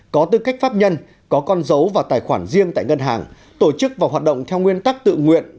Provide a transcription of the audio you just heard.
có tư cách pháp nhân có con dấu và tài khoản riêng tại ngân hàng tổ chức và hoạt động theo nguyên tắc tự nguyện